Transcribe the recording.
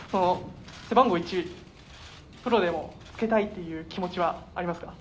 背番号１、プロでもつけたいという気持ちはありますか？